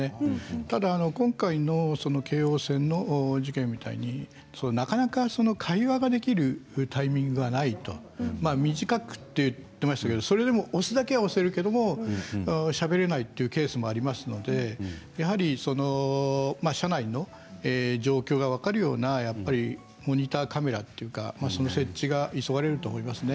ただ今回の京王線の事件のようになかなか会話ができるタイミングがないと短くと言っていましたけれどもそれでも押せるだけは押せるけれども、しゃべれないケースもありますので車内の状況が分かるようなモニターカメラというかその設置が急がれると思いますね。